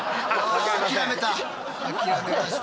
諦めた。